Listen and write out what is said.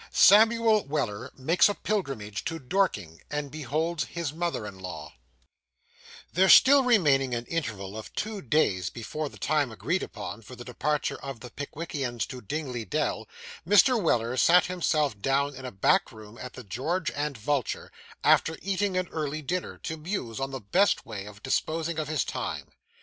SAMUEL WELLER MAKES A PILGRIMAGE TO DORKING, AND BEHOLDS HIS MOTHER IN LAW There still remaining an interval of two days before the time agreed upon for the departure of the Pickwickians to Dingley Dell, Mr. Weller sat himself down in a back room at the George and Vulture, after eating an early dinner, to muse on the best way of disposing of his time.